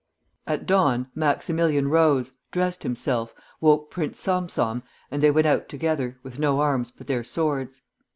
At dawn Maximilian rose, dressed himself, woke Prince Salm Salm, and they went out together, with no arms but their swords.